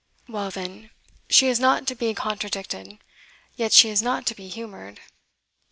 Well, then, she is not to be contradicted; yet she is not to be humoured.